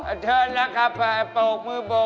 อ่ะเดี๋ยวนะครับไปปลกมือบก